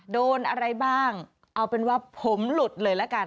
โดนอะไรบ้างเอาเป็นว่าผมหลุดเลยละกัน